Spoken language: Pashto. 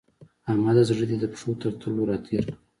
احمده! زړه دې د پښو تر تلو راتېر کړ.